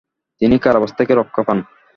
তিনি কারাবাস থেকে রক্ষা পান।